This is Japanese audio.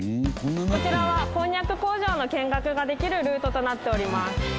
こちらはこんにゃく工場の見学ができるルートとなっております。